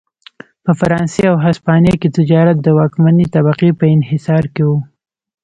په فرانسې او هسپانیا کې تجارت د واکمنې طبقې په انحصار کې و.